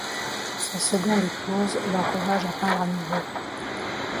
Sa seconde épouse l'encourage à peindre à nouveau.